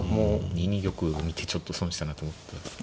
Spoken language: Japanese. ２二玉を見てちょっと損したなと思ったんですけど。